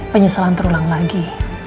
penyesalan terulang lagi